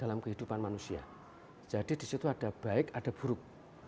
dalam kehidupan manusia jadi disitu ada baik ada buruk